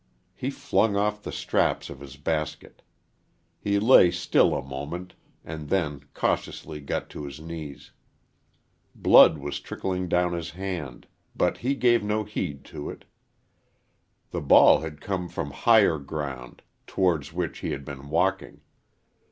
He flung off the straps of his basket. He lay still a moment and then cautiously got to his knees. Blood was trickling down his hand, but he gave no heed to it. The ball had come from higher ground, towards which he had been walking.